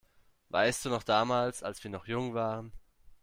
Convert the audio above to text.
Weißt du noch damals, als wir noch jung waren?